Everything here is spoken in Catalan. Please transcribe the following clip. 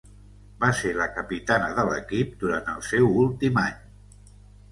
Va ser la capitana de l'equip durant el seu últim any.